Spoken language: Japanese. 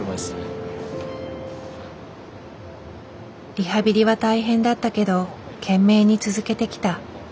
リハビリは大変だったけど懸命に続けてきた。